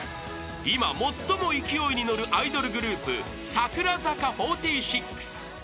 ［今最も勢いに乗るアイドルグループ櫻坂４６］